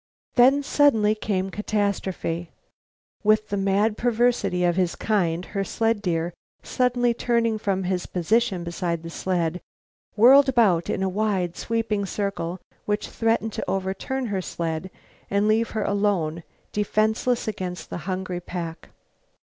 Then, suddenly came catastrophe. With the mad perversity of his kind, her sled deer, suddenly turning from his position beside the sled, whirled about in a wide, sweeping circle which threatened to overturn her sled and leave her alone, defenseless against the hungry pack.